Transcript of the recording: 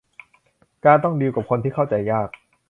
การต้องดีลกับคนที่เข้าใจยาก